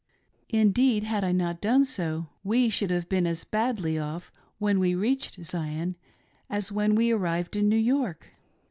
Indeed, had I not done so, we should have been as badly off when we reached Zion as when we ar rived in New York.